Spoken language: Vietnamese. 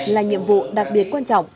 là nhiệm vụ đặc biệt quan trọng